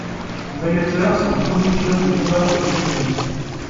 Ces aviateurs sont les premiers pilotes de combat des États-Unis.